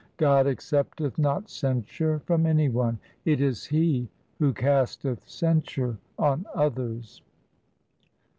God accepteth not censure from any one ; 1 It is He who casteth censure on others.